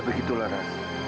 ya begitu laras